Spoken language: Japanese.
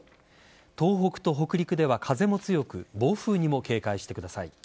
東北と北陸では、風も強く暴風にも警戒してください。